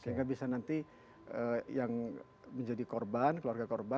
sehingga bisa nanti yang menjadi korban keluarga korban